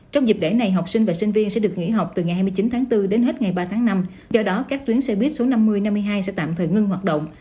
trong dịp lễ này học sinh và sinh viên sẽ được nghỉ học từ ngày hai mươi chín tháng bốn đến hết ngày ba tháng năm do đó các tuyến xe buýt số năm mươi năm mươi hai sẽ tạm thời ngưng hoạt động